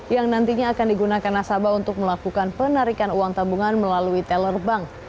yang nantinya akan digunakan nasabah untuk melakukan penarikan uang tabungan melalui teller bank